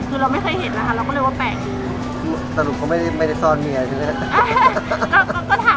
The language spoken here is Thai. คือเราไม่เคยเห็นนะคะเราก็เลยว่าแปลกสรุปเขาไม่ได้ซ่อนเมียใช่ไหม